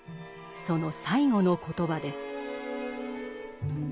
その最後の言葉です。